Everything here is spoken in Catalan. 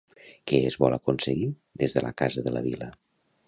Què es vol aconseguir des de la casa de la vila?